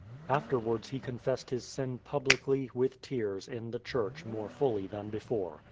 Afterwards he confessed his sin publicly, with tears, in the church, more fully than before.